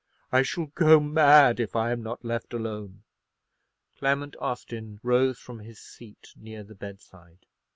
I shall go mad if I am not left alone!" Clement Austin rose from his seat near the bedside.